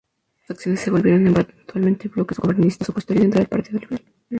Estas facciones se volvieron eventualmente como bloques gobiernistas y opositores dentro del Partido Liberal.